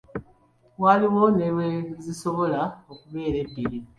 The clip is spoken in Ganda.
Waliwo ne lwezisobola okubeera ebbiri.